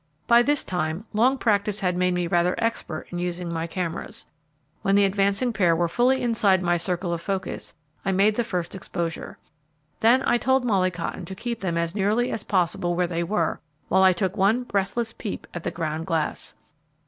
By this time long practice had made me rather expert in using my cameras. When the advancing pair were fully inside my circle of focus, I made the first exposure. Then I told Molly Cotton to keep them as nearly as possible where they were, while I took one breathless peep at the ground glass.